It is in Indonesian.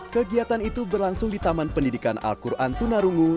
kegiatan itu berlangsung di taman pendidikan al quran tunarungu